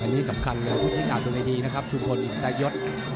อันนี้สำคัญเลยผู้ใช้งานดูดีนะครับชุมพลอินทรายศ